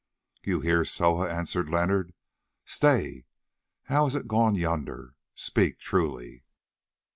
"You hear, Soa," answered Leonard. "Stay, how has it gone yonder? Speak truly."